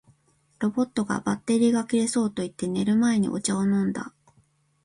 ロボットが「バッテリーが切れそう」と言って、寝る前にお茶を飲んだ